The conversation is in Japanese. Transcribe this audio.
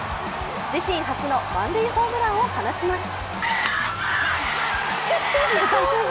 自身初の満塁ホームランを放ちます。